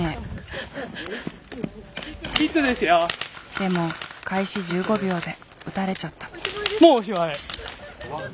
でも開始１５秒で撃たれちゃった。